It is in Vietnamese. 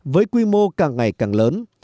với quy mô càng ngày càng lớn